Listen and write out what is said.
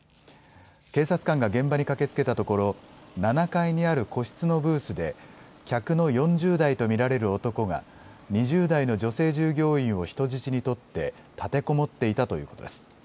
警察官が現場に駆けつけたところ、７階にある個室のブースで、客の４０代と見られる男が、２０代の女性従業員を人質に取って、立てこもっていたということです。